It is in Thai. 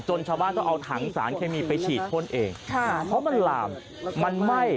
ชาวบ้านก็เอาถังสารเคมีไปฉีดพ่นเองค่ะเพราะมันลามมันไหม้